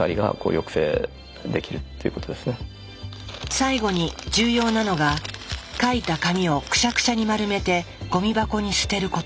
最後に重要なのが書いた紙をくしゃくしゃに丸めてゴミ箱に捨てること。